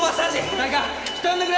誰か人を呼んでくれ